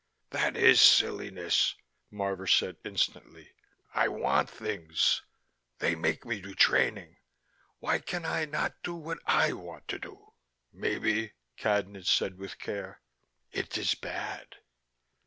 "That is silliness," Marvor said instantly. "I want things. They make me do training. Why can I not do what I want to do?" "Maybe," Cadnan said with care, "it is bad."